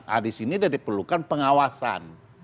nah di sini sudah diperlukan pengawasan